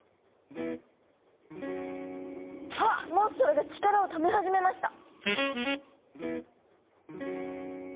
あっモンストロが力をため始めました。